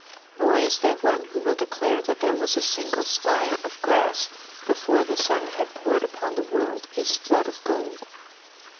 Nor is there one who will declare that there was a single spire of grass before the sun had poured upon the world his flood of gold.